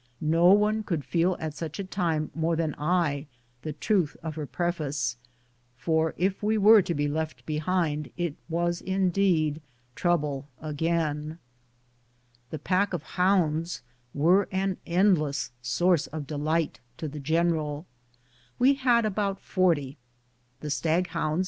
'No one could feel at such a time more than I the truth of her preface, for if we were to be left be hind, it was, indeed, " Trouble again." The pack of hounds were an endless source of delight to the general. We had about forty : the stag hounds INCIDENTS OF EVERY DAY LIFE.